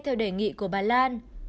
theo đề nghị của bản lan